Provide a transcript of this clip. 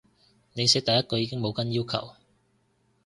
你寫第一句已經冇跟要求